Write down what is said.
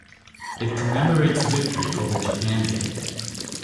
It commemorates Victory over Japan Day.